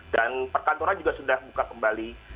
dan perkantoran juga sudah buka kembali